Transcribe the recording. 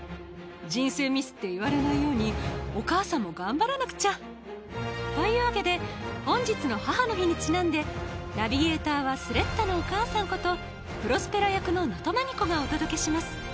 人選ミスって言われないようにお母さんも頑張らなくちゃというわけで本日の母の日にちなんでナビゲーターはスレッタのお母さんことプロスペラ役の能登麻美子がお届けします